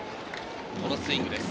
このスイングです。